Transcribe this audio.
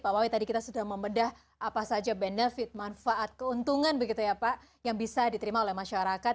pak wawi tadi kita sudah membedah apa saja benefit manfaat keuntungan begitu ya pak yang bisa diterima oleh masyarakat